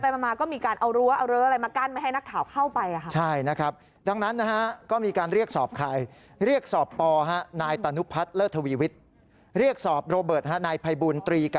ไปมาก็มีการเอารั้วอะไรมากั้นไม่ให้นักข่าวเข้าไป